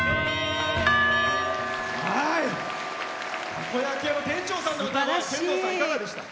たこ焼き屋の店長さんの歌声いかがでしたか？